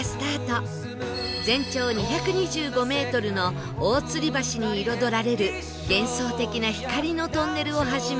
全長２２５メートルの大つり橋に彩られる幻想的な光のトンネルをはじめ